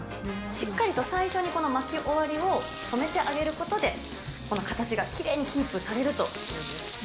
しっかりと最初にこの巻き終わりを留めてあげることで、この形がきれいにキープされると。